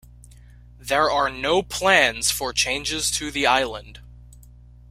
There are no plans for changes to the island.